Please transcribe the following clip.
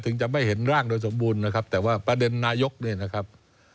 จะไม่เห็นร่างโดยสมบูรณ์นะครับแต่ว่าประเด็นนายกเนี่ยนะครับ